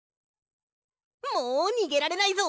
もうにげられないぞ！